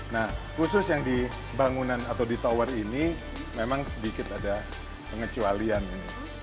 nah khusus yang di bangunan atau di tower ini memang sedikit ada pengecualian ini